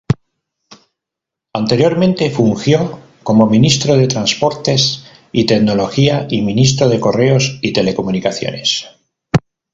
Anteriormente fungió como ministro de Transportes y Tecnología y Ministro de Correos y Telecomunicaciones.